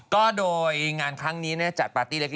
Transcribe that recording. ก็โดยงานครั้งนี้จัดปาร์ตี้เล็ก